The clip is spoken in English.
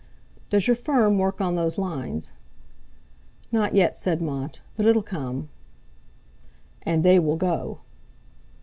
"Does your firm work on those lines?" "Not yet," said Mont, "but it'll come." "And they will go."